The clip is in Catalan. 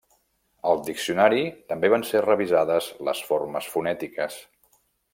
Al diccionari també van ser revisades les formes fonètiques.